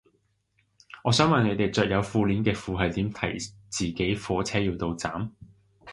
我想問你哋着有褲鏈嘅褲係點提自己火車要到站